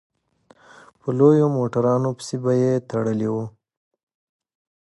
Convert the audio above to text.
په لویو موټرانو پسې به يې تړلي وو.